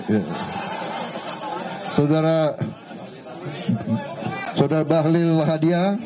ya saudara saudara bahlil hadiah